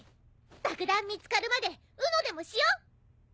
爆弾見つかるまでＵＮＯでもしよう。